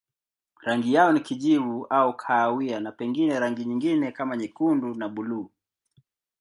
Rangi yao ni kijivu au kahawia na pengine rangi nyingine kama nyekundu na buluu.